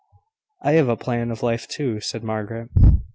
"I have a plan of life, too," said Margaret.